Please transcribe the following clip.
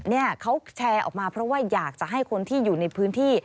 เนี่ยเขาแชร์ออกมาเพราะว่าอยากจะให้คนที่อยู่ในพื้นที่